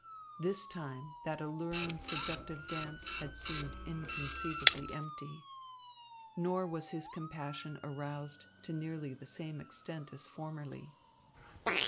This time that alluring seductive dance had seemed inconceivably empty. Nor was his compassion aroused to nearly the same extent as formerly.